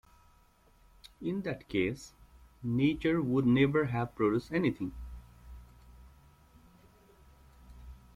In that case, nature would never have produced anything.